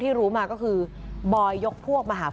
เห็นป่ะมีปืนด้วยใช่ไหมมีครับ